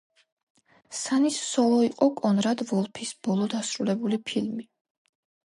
სანის სოლო იყო კონრად ვოლფის ბოლო დასრულებული ფილმი.